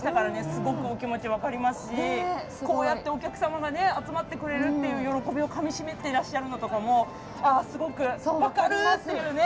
すごくお気持ち分かりますしこうやってお客様がね集まってくれるっていう喜びをかみしめていらっしゃるのとかもああすごく分かるっていうね。